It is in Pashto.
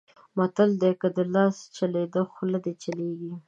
متل؛ که دې لاس چلېد؛ خوله دې چلېږي.